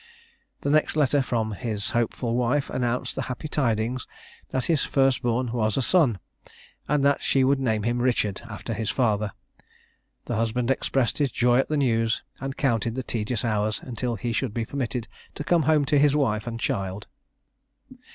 The next letter from his hopeful wife announced the happy tidings that his first born was a son; and that she would name him Richard, after his father. The husband expressed his joy at the news, and counted the tedious hours until he should be permitted to come home to his wife and child.